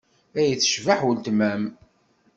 Ay tecbeḥ uletma-m!